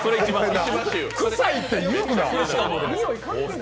臭いって言うな！